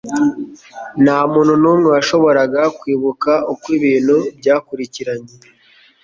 Ntamuntu numwe washoboraga kwibuka uko ibintu byakurikiranye.